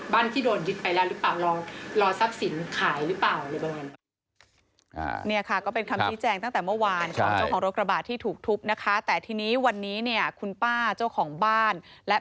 บ้านที่โดนยึดไปแล้วหรือเปล่า